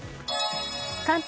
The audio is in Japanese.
関東